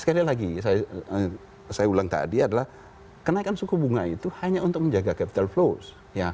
sekali lagi saya ulang tadi adalah kenaikan suku bunga itu hanya untuk menjaga capital flows